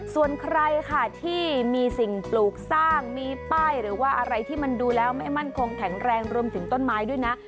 ส่วนใครค่ะที่มีสิ่งปลูกสร้างมีป้ายหรือว่าอะไรที่มันดูแล้วไม่มั่นคงแข็งแรงรวมถึงต้นไม้ด้วยนะ